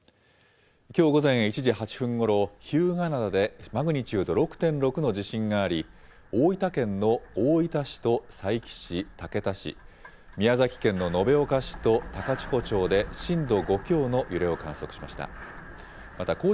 きょう午前１時８分ごろ、日向灘でマグニチュード６．６の地震があり、大分県の大分市と佐伯市、竹田市、宮崎県の延岡市と高千穂町で震度５強の揺れを観測しました。